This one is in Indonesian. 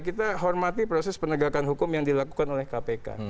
kita hormati proses penegakan hukum yang dilakukan oleh kpk